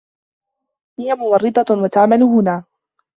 هي ممرّضة و تعمل هنا.